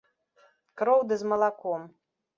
Кроў ды з малаком.